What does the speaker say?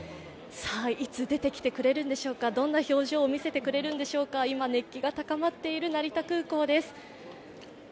いつ出てきてくれるんでしょうか、どんな表情を見せてくれるんでしょうか、今、熱気が高まっている成田空港です。